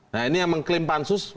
nah ini yang mengklaim pansus